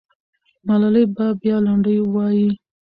ملالۍ به بیا لنډۍ وایي.